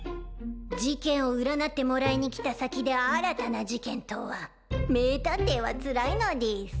事件を占ってもらいにきた先で新たな事件とは名探偵はつらいのでぃす。